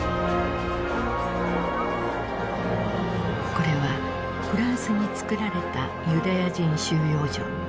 これはフランスに作られたユダヤ人収容所。